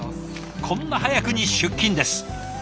こんな早くに出勤です。